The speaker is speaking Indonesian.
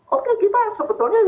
oke kita sebetulnya